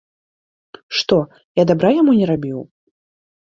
Што, я дабра яму не рабіў?